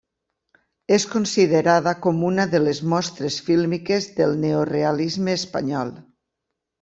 És considerada com una de les mostres fílmiques del neorealisme espanyol.